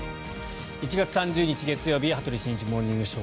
１月３０日、月曜日「羽鳥慎一モーニングショー」。